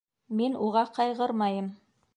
Мин уға ҡайғырмайым.